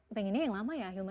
pengennya yang lama ya ahilman